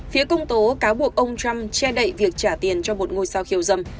phía công tố cáo buộc ông trump che đậy việc trả tiền cho một ngôi sao khiêu dâm